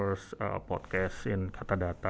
untuk podcast pertama di katadata